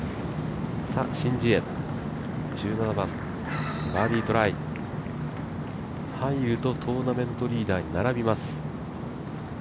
シン・ジエ、１７番、バーディートライ入るとトーナメントリーダーに並びます。